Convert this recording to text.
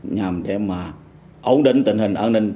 nhằm để mà ổn định tình hình an ninh